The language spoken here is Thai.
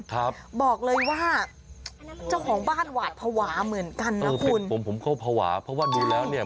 ผมเข้าภาวะเพราะว่าดูแล้วเนี่ย